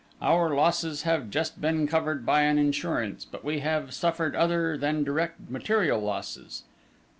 Our losses have just been covered by an insurance, but we have suffered other than direct material losses.